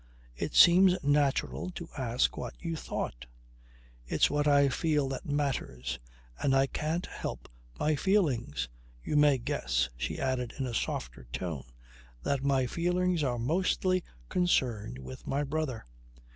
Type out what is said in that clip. It seemed natural to ask what you thought." "It's what I feel that matters. And I can't help my feelings. You may guess," she added in a softer tone, "that my feelings are mostly concerned with my brother.